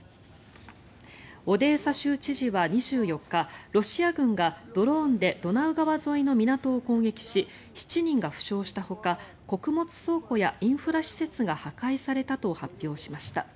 オデーサ州知事は２４日ロシア軍がドローンでドナウ川沿いの港を攻撃し７人が負傷したほか穀物倉庫やインフラ施設が破壊されたと発表しました。